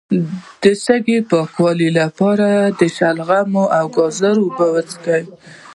د سږو د پاکوالي لپاره د شلغم او ګازرې اوبه وڅښئ